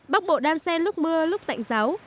bắc bộ đan xen lúc mưa lúc tạnh giáo